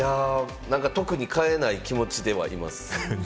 特に変えない気持ちではいます。